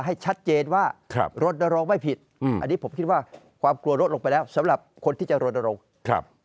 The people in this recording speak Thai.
ให้ชัดเจนว่ารณรงค์ไม่ผิดอันนี้ผมคิดว่าความกลัวลดลงไปแล้วสำหรับคนที่จะรณรงค์ครับ